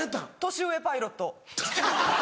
年上パイロット。